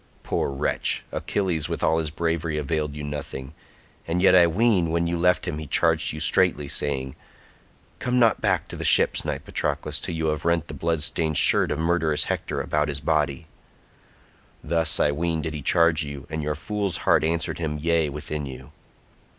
Poor wretch, Achilles with all his bravery availed you nothing; and yet I ween when you left him he charged you straitly saying, 'Come not back to the ships, knight Patroclus, till you have rent the blood stained shirt of murderous Hector about his body.' Thus I ween did he charge you, and your fool's heart answered him 'yea' within you."